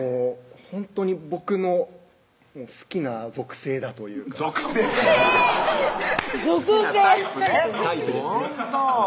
ほんとに僕の好きな属性だというか属性属性好きなタイプねタイプですね